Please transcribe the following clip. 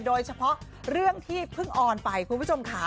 โดยเฉพาะเรื่องที่เพิ่งออนไปคุณผู้ชมค่ะ